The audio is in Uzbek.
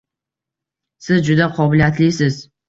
Siz juda qobiliyatlisiz